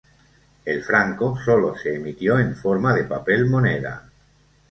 El franco sólo se emitió en forma de papel moneda.